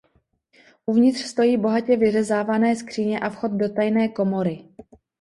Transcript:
Uvnitř stojí bohatě vyřezávané skříně a vchod do tajné komory.